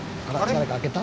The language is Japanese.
「誰か開けた？」